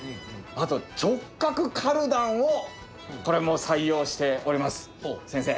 あと直角カルダンをこれも採用しております先生！